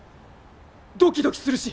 ドキドキするし